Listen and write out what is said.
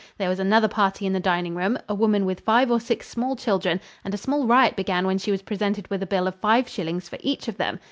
There was another party in the dining room, a woman with five or six small children, and a small riot began when she was presented with a bill of five shillings for each of them.